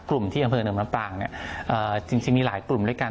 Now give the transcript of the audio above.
กลุ่มที่อำเภอหนึ่งลำปางจริงมีหลายกลุ่มด้วยกัน